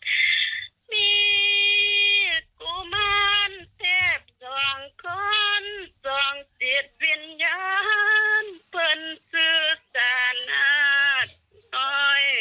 มีกุมันเทพสองคนสองเศรียดวิญญาณพลสื่อสารนาดน้อย